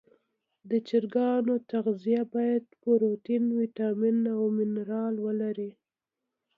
د چرګانو تغذیه باید پروټین، ویټامین او منرال ولري.